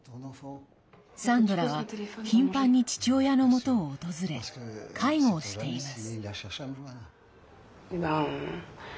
サンドラは頻繁に父親のもとを訪れ介護をしています。